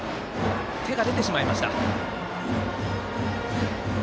手が出てしまいました。